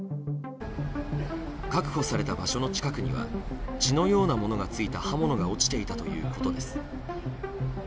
確保された場所の近くには血のようなものがついた刃物が落ちていたということです。